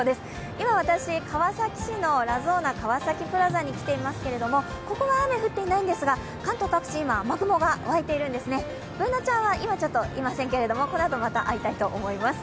今私、川崎市のラゾーナ川崎プラザに来ていますけれどもここは雨降っていないんですが、関東各地、今、雨雲がわいているんですね、Ｂｏｏｎａちゃんは今ちょっといませんけどこのあとまた会いたいと思います。